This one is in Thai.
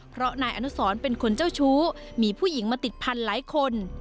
เพราะนายอนุสรเป็นคนเจ้าชู้มีผู้หญิงมาติดพันธุ์หลายคน